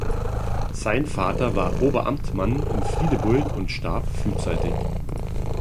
Sein Vater war Oberamtmann in Friedeburg und starb frühzeitig.